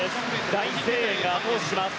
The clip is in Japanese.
大声援が後押しします。